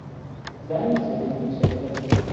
زنی سفید چهره